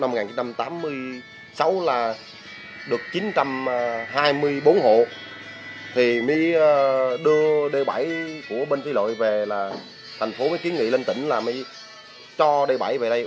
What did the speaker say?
năm một nghìn chín trăm tám mươi sáu là được chín trăm hai mươi bốn hộ thì mới đưa d bảy của bên thủy lợi về là thành phố mới kiến nghị lên tỉnh là mới cho d bảy về đây